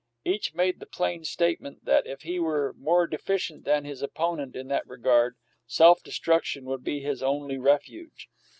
Each made the plain statement that if he were more deficient than his opponent in that regard, self destruction would be his only refuge.